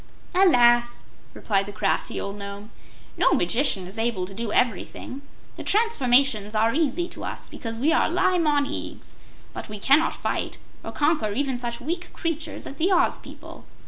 "Alas!" replied the crafty old Nome, "no magician is able to do everything. The transformations are easy to us because we are Li Mon Eags, but we cannot fight, or conquer even such weak creatures as the Oz people.